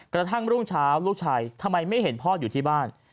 กระทั่งรุ่งเช้าลูกชายทำไมไม่เห็นพ่ออยู่ที่บ้าน